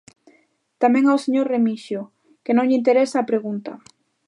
Tamén ao señor Remixio, que non lle interesa a pregunta.